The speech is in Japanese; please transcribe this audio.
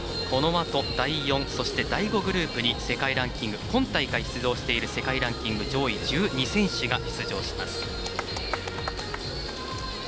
このあと第４、第５グループに今大会出場している世界ランキング上位１２選手が出場します。